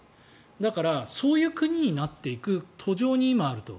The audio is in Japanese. だから、そういう国になっていく途上に今あると。